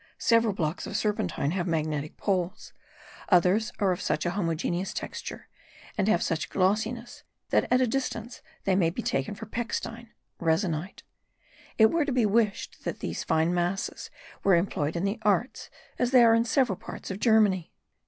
Several blocks of serpentine have magnetic poles; others are of such a homogeneous texture, and have such a glossiness, that at a distance they may be taken for pechstein (resinite). It were to be wished that these fine masses were employed in the arts as they are in several parts of Germany.